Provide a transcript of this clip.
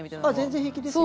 全然平気ですよ。